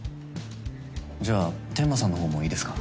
じゃあ天間さんのほうもいいですか？